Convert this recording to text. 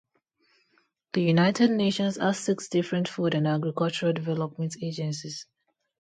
The United Nations has six different food and agricultural development agencies.